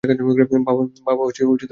বাবা তুমি বলো।